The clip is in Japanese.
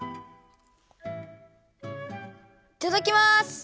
いただきます！